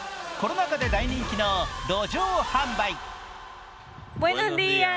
コロナ禍で大人気の路上販売。